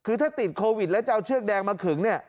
คือถ้าติดโควิดแล้วจะเอาเชือกแดงมาขึงเนี่ย